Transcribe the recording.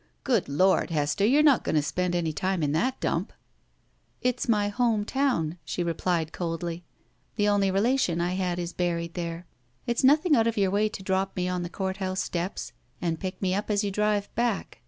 "Good Lord! Hester, you're not going to spend any time in that dump?" "It's my home town," she replied, coldly. "The only relation I had is buried there. It's nothing out of your way to drop me on the court house steps and pick me up as you drive back.